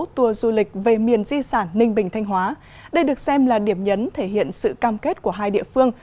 tùa du lịch về miền di sản ninh bình thanh hóa đây được xem là điểm nhấn thể hiện sự cam kết của hai địa phương